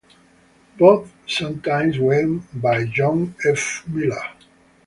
Both sometimes went by John F. Miller.